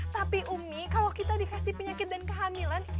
tapi umi kalau kita dikasih penyakit dan kehamilan